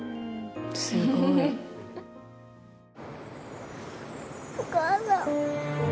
すごい！お母さん。